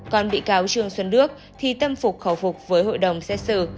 còn bị cáo trương xuân đức thì tâm phục khẩu phục với hội đồng xét xử